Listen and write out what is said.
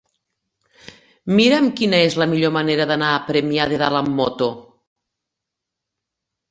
Mira'm quina és la millor manera d'anar a Premià de Dalt amb moto.